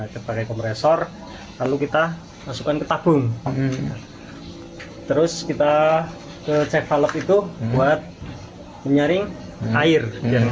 terima kasih kompresor lalu kita masukkan ke tabung terus kita ke cek valuep itu buat menyaring air